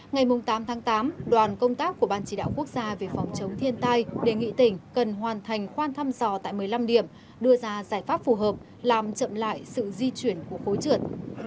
ngày tám tháng tám đoàn công tác của ban chỉ đạo quốc gia về phòng chống thiên tai đề nghị tỉnh cần hoàn thành khoan thăm dò tại một mươi năm điểm đưa ra giải pháp phù hợp làm chậm lại sự di chuyển của khối trượt